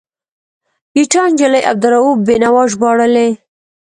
ګیتا نجلي عبدالرؤف بینوا ژباړلی.